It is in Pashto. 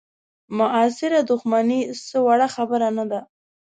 معاصره دوښمني څه وړه خبره نه ده.